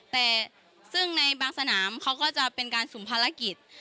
แต่ซึ่งในบางสนามเขาก็จะเป็นการสุ่มภารกิจ